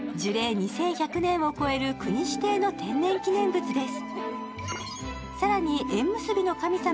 ２１００年を超える国指定の天然記念物です。